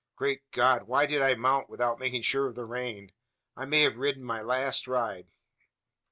Great God! why did I mount, without making sure of the rein? I may have ridden my last ride!"